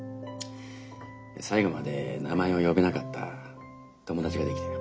最後まで名前を呼べなかった友達ができたよ。